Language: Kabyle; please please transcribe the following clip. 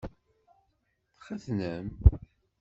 Txetnem?